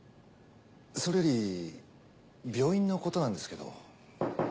それより病院のことなんですけど。